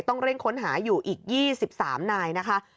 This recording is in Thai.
ต้องเร่งค้นหาอยู่อีก๒๓นายนะคะ